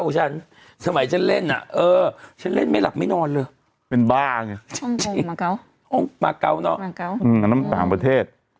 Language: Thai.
จะไปรู้ดีได้อย่างไร